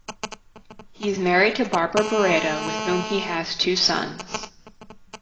He is married to Barbara Barredo with whom he has two sons.